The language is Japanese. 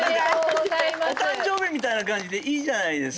お誕生日みたいな感じでいいじゃないですか？